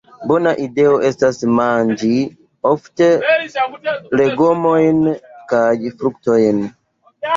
Bona ideo estas manĝi ofte legomojn kaj fruktojn.